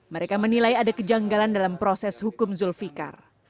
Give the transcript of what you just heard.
mereka menilai ada kejanggalan dalam proses hukum zulfikar